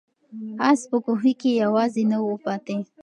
آس په کوهي کې یوازې نه و پاتې.